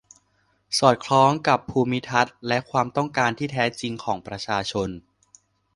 สอดคล้องกับภูมิทัศน์ และความต้องการที่แท้จริงของประชาชน